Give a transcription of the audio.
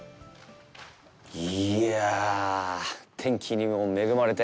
いやあ、天気にも恵まれて。